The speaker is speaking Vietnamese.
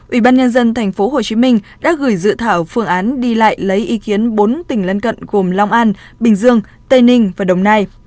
ủy ban nhân dân tp hcm đã gửi dự thảo phương án đi lại lấy ý kiến bốn tỉnh lân cận gồm long an bình dương tây ninh và đồng nai